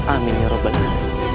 amin ya rabbal alam